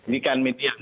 dikan kami diam